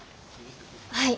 はい。